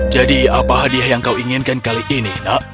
jadi apa hadiah yang kau inginkan kali ini nak